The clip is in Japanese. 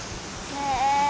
へえ。